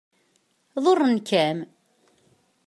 Ḍurren-kem?